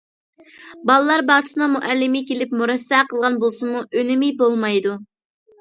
بالىلار باغچىسىنىڭ مۇئەللىمى كېلىپ مۇرەسسە قىلغان بولسىمۇ ئۈنۈمى بولمايدۇ.